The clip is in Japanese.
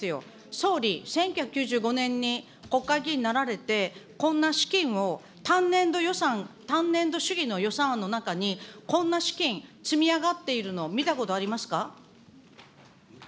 総理、１９９５年に国会議員になられて、こんな資金を単年度予算、単年度主義の予算案の中に、こんな資金、積み上がっているのを、見たことありますか。